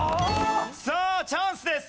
さあチャンスです。